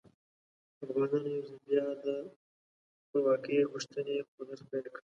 افغانانو یو ځل بیا د خپلواکۍ غوښتنې خوځښت پیل کړ.